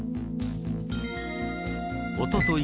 おととい